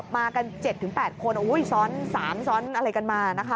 มากัน๗๘คนซ้อน๓ซ้อนอะไรกันมานะคะ